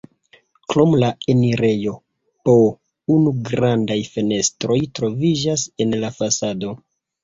Krom la enirejo po unu grandaj fenestroj troviĝas en la fasado.